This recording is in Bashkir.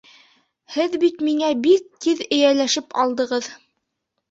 Һеҙ бит миңә бик тиҙ эйәләшеп алдығыҙ.